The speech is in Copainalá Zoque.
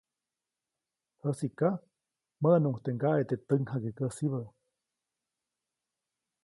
Jäsiʼka, mäʼnuʼuŋ teʼ ŋgaʼe teʼ täjkjakekäsibä.